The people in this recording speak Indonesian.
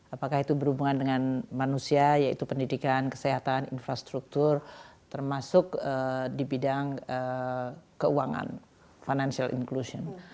apakah itu berhubungan dengan manusia yaitu pendidikan kesehatan infrastruktur termasuk di bidang keuangan financial inclusion